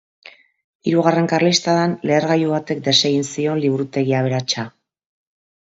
Hirugarren karlistadan, lehergailu batek desegin zion liburutegi aberatsa.